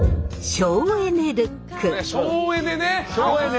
省エネね！